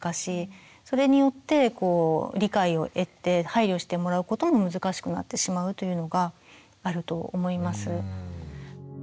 それによって理解を得て配慮してもらうことも難しくなってしまうというのがあると思います。